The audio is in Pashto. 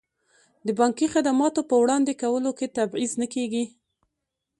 د بانکي خدماتو په وړاندې کولو کې تبعیض نه کیږي.